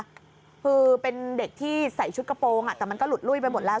คือเป็นเด็กที่ใส่ชุดกระโปรงแต่มันก็หลุดลุ้ยไปหมดแล้ว